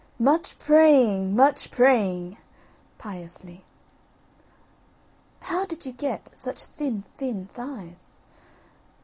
"Much praying, much praying" (piously). "How did you get such thin thin thighs?"